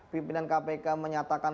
pimpinan kpk menyatakan